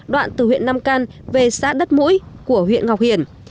đoạn từ huyện nam căn về xã đất mũi của huyện ngọc hiển